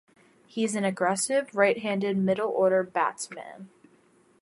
He is an aggressive right-handed middle order batsman.